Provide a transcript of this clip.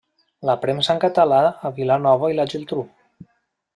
La premsa en català a Vilanova i la Geltrú.